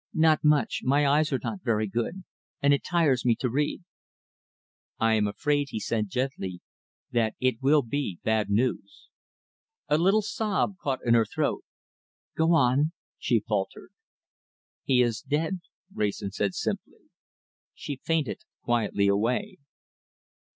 "Not much. My eyes are not very good, and it tires me to read." "I am afraid," he said gently, "that it will be bad news." A little sob caught in her throat. "Go on," she faltered. "He is dead," Wrayson said simply. She fainted quietly away.